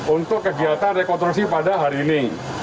untuk kegiatan rekonstruksi pada hari ini